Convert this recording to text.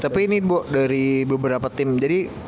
tapi ini bu dari beberapa tim